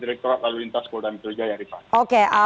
direkturat alurintas polda mitrujaya rifana